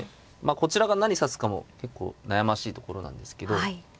こちらが何指すかも結構悩ましいところなんですけど。